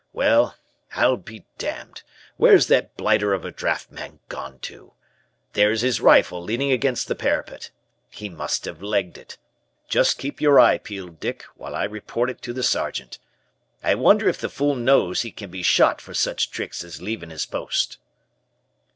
Well, I'll be damned, where's that blighter of a draft man gone to? There's his rifle leaning against the parapet. He must have legged it. Just keep your eye peeled, Dick, while I report it to the Sergeant. I wonder if the fool knows he can be shot for such tricks as leavin' his post."